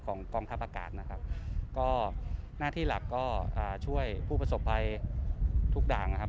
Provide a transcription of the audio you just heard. กองทัพอากาศนะครับก็หน้าที่หลักก็ช่วยผู้ประสบภัยทุกด่างนะครับ